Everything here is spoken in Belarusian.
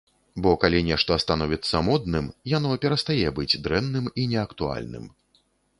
Бо калі нешта становіцца модным, яно перастае быць дрэнным і неактуальным.